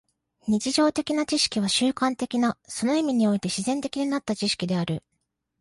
日常的な知識は習慣的な、その意味において自然的になった知識である。